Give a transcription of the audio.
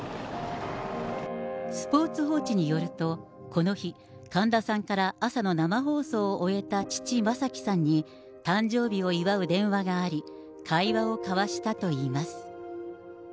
スポーツ報知によると、この日、神田さんから、朝の生放送を終えた父、正輝さんに、誕生日を祝う電話があり、会話を交わしたといいます。